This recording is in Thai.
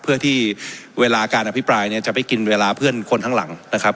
เพื่อที่เวลาการอภิปรายเนี่ยจะไปกินเวลาเพื่อนคนข้างหลังนะครับ